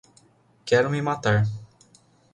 Quero me matar!